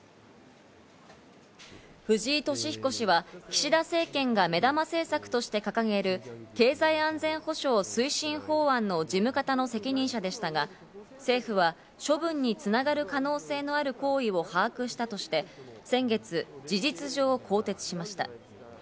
藤井敏彦氏は、岸田政権が目玉政策として掲げる経済安全保障法案の事務方の責任者でしたが政府は処分につながる可能性のある行為を把握したとして、先月、事実上、更迭しました。